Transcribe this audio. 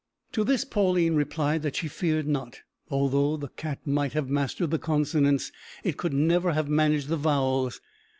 To this Pauline replied that she feared not; that, although the cat might have mastered the consonants, it could never have managed the vowels.